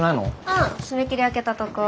うん締め切り明けたとこ。